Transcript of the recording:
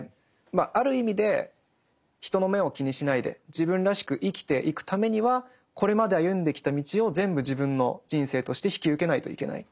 まあある意味で人の目を気にしないで自分らしく生きていくためにはこれまで歩んできた道を全部自分の人生として引き受けないといけない。